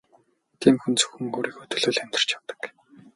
Тийм хүн зөвхөн өөрийнхөө л төлөө амьдарч явдаг.